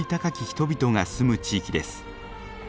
人々が住む地域です。